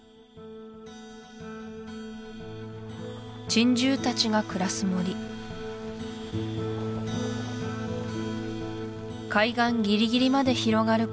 珍獣たちが暮らす森海岸ぎりぎりまで広がる